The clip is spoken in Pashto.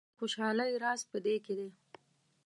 د خوشحالۍ راز په دې کې دی.